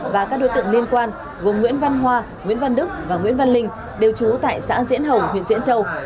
và các đối tượng liên quan gồm nguyễn văn hoa nguyễn văn đức và nguyễn văn linh đều trú tại xã diễn hồng huyện diễn châu